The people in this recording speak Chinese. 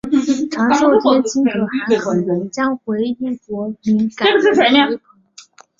长寿天亲可汗将回纥国名改为回鹘。